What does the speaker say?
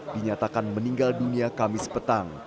dinyatakan meninggal dunia kamis petang